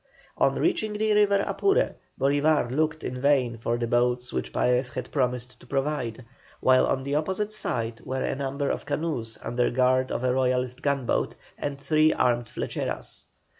On reaching the river Apure, Bolívar looked in vain for the boats which Paez had promised to provide, while on the opposite side were a number of canoes under guard of a Royalist gunboat and three armed flecheras.